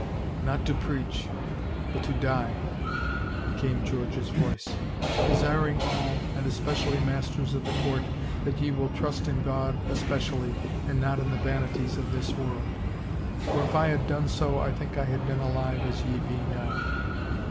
" Not to preach ... but to die," came George's voice, " desiring all, and especially masters of the court that ye will trust in God especially and not in the vanities of this world ; for if I had done so I think I had been alive as ye be now.